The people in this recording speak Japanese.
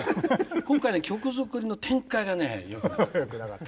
今回曲作りの展開がねよくなかった。